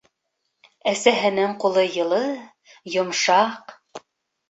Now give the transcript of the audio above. Әсәһенең ҡулы йылы, йомшаҡ.